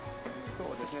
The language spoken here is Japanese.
そうですね。